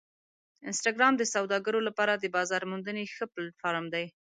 انسټاګرام د سوداګرو لپاره د بازار موندنې ښه پلیټفارم دی.